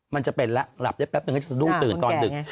มันจะเป็นละหลับได้สักแปปนึงเขาจะดุ้งตื่นตอนดึง